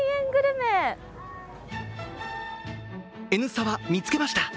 「Ｎスタ」は見つけました。